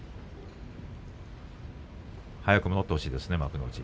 早く戻ってほしいですね幕内に。